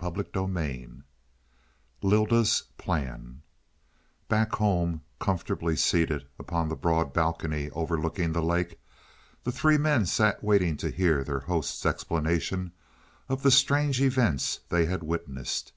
CHAPTER XXIII LYLDA'S PLAN Back home, comfortably seated upon the broad balcony overlooking the lake, the three men sat waiting to hear their host's explanation of the strange events they had witnessed.